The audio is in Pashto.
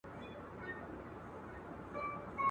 په څه سپک نظر به گوري زموږ پر لوري.